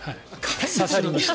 刺さりました。